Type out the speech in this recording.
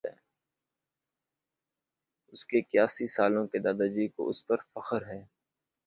اُس کے اِکیاسی سالوں کے دادا جی کو اُس پر فخر ہے